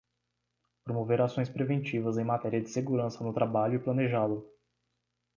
Promover ações preventivas em matéria de segurança no trabalho e planejá-lo.